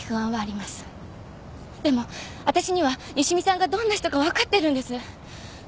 でも私には西見さんがどんな人か分かってるんです！